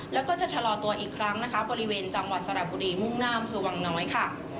แล้วก็จะชะลอตัวอีกครั้งนะคะบริเวณจังหวัดสระบุรีมุ่งหน้าอำเภอวังน้อยค่ะ